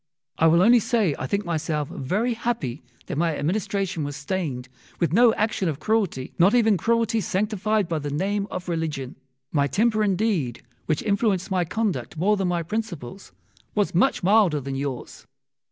I will only say I think myself very happy that my administration was stained with no action of cruelty, not even cruelty sanctified by the name of religion. My temper indeed, which influenced my conduct more than my principles, was much milder than yours.